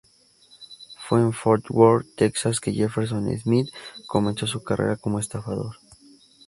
Fue en Fort Worth, Texas, que Jefferson Smith comenzó su carrera como estafador.